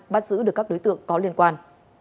bắt giữ được các đối tượng có liên quan